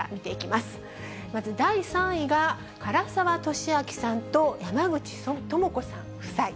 まず第３位が、唐沢寿明さんと山口智子さん夫妻。